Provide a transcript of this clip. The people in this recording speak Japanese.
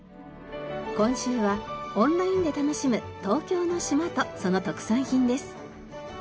今週はオンラインで楽しむ東京の島とその特産品です。